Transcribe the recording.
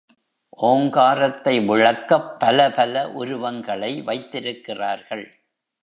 ஓங்காரத்தை விளக்கப் பல பல உருவங்களை வைத்திருக்கிறார்கள்.